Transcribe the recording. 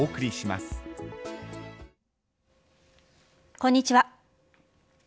こんにちは。